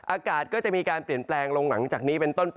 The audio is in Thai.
อากาศก็จะมีการเปลี่ยนแปลงลงหลังจากนี้เป็นต้นไป